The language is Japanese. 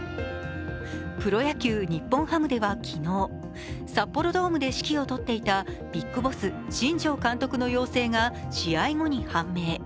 プロ野球・日本ハムでは昨日、札幌ドームで指揮を執っていたＢＩＧＢＯＳＳ新庄監督の陽性が試合後に判明。